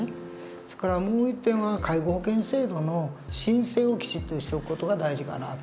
それからもう一点は介護保険制度の申請をきちっとしておく事が大事かなと。